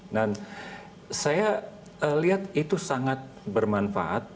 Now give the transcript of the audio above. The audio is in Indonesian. dan saya lihat itu sangat bermanfaat